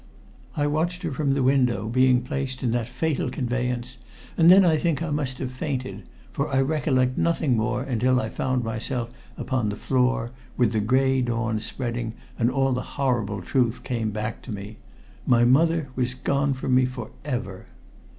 I watched her from the window being placed in that fatal conveyance, and then I think I must have fainted, for I recollect nothing more until I found myself upon the floor, with the gray dawn spreading, and all the horrible truth came back to me. My mother was gone from me for ever!